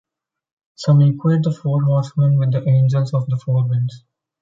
Some equate the Four Horsemen with the angels of the four winds.